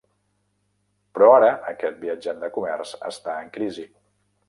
Però ara aquest viatjant de comerç està en crisi.